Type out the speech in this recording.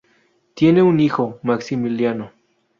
Tiene un hijo, Maximiliano.